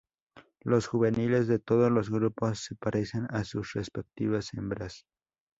Los juveniles de todos los grupos se parecen a sus respectivas hembras.